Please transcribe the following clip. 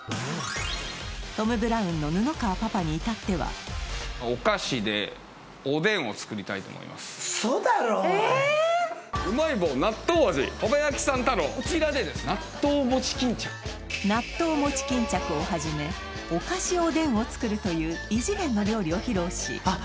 トム・ブラウンの布川パパに至っては納豆餅巾着をはじめお菓子おでんを作るという異次元の料理を披露しあっ